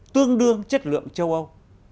tương đương chất lượng châu âu